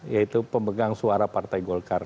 yaitu pemegang suara partai golkar